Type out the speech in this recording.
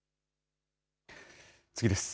次です。